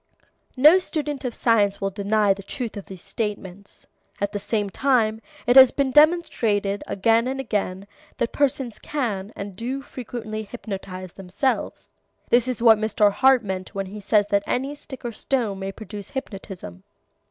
No student of science will deny the truth of these statements. At the same time it has been demonstrated again and again that persons can and do frequently hypnotize themselves. This is what Mr. Hart means when he says that any stick or stone may produce hypnotism.